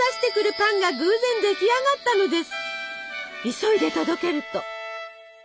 急いで届けると。